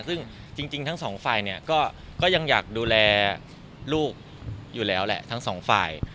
ซึ่งจริงทั้งสองฝ่ายเนี่ยก็ยังอยากดูแลลูกอยู่แล้วแหละทั้งสองฝ่าย